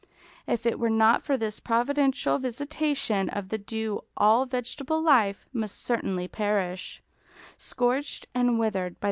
If it were not for this providential visitation of the dew all vegetable life must certainly perish, scorched and withered by the torrid heat.